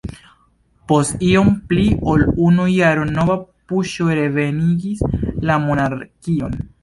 Post iom pli ol unu jaro nova puĉo revenigis la monarkion.